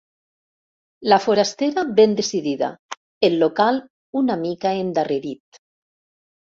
La forastera ben decidida, el local una mica endarrerit.